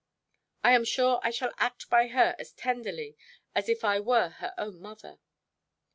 I am sure I shall act by her as tenderly as if I was her own mother.